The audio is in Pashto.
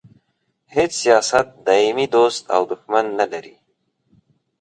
هیڅ سیاست دایمي دوست او دوښمن نه لري.